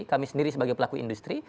kami sendiri sebagai pelaku industri